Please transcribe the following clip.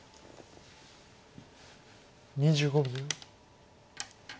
２５秒。